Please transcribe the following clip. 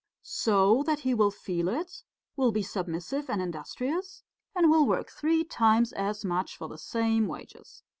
So that he will feel it, will be submissive and industrious, and will work three times as much for the same wages.